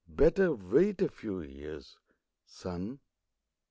Better wait a few years, son.